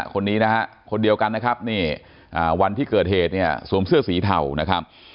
คนนี้นะฮะคนเดียวกันนะครับนี่วันที่เกิดเหตุเนี่ยสวมเสื้อสีเทานะครับ